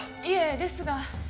いえですが。